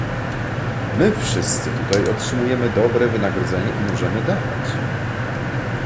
My wszyscy tutaj otrzymujemy dobre wynagrodzenia i możemy dawać